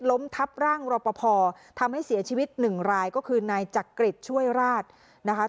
ล้มทับร่างรอปภทำให้เสียชีวิตหนึ่งรายก็คือนายจักริจช่วยราชนะคะ